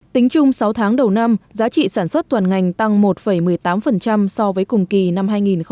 tính chung sáu tháng đầu năm giá trị sản xuất toàn ngành tăng một một mươi tám so với cùng kỳ năm hai nghìn một mươi tám